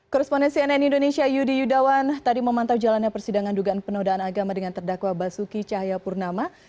korrespondensi nn indonesia yudi yudawan tadi memantau jalannya persidangan dugaan penodaan agama dengan terdakwa basuki cahayapurnama